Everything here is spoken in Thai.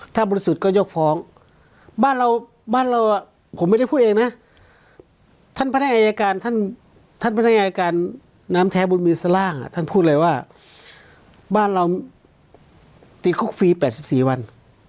ถ้าบริสุทธิ์ก็ยกฟ้องบ้านเราบ้านเราผมไม่ได้พูดเองนะท่านพนักอายการท่านพนักอายการน้ำแท้บุญมือสล่างท่านพูดเลยว่าบ้านเราติดคุกฟรี๘๔วัน